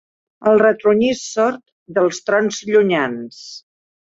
El retrunyir sord dels trons llunyans.